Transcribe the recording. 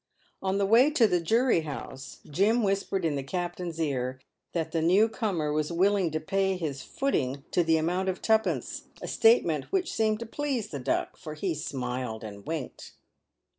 On the way to the Jury House, Jim whispered in the Captain's ear that the new comer was willing to pay his footing to the amount of twopence, a statement which seemed to please the Duck, for he smiled and winked.